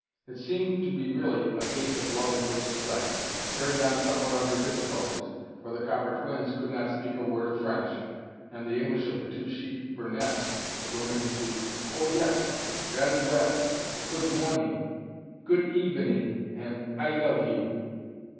It seemed to be really a case of love at first sight, carried on somewhat under difficulties, for the "copper twins" could not speak a word of French, and the English of the two chic brunettes was limited to "Oh, yes!" "Vary well!" "Good morning," "Good evening," and "I love you."